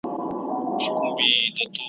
سره او سپین زر له اسمانه پر چا نه دي اورېدلي ,